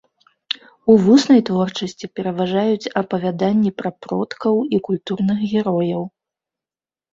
У вуснай творчасці пераважаюць апавяданні пра продкаў і культурных герояў.